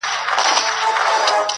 كه بې وفا سوې گراني